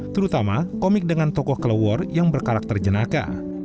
terutama komik dengan tokoh kelewor yang berkarakter jenaka